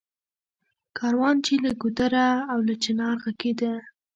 کاروان چــــې له ګـــــودره او له چنار غـــږېده